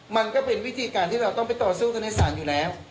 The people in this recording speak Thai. มันก็เป็นวิธีการที่เราต้องไปต่อสู้กันในศาลอยู่แล้ว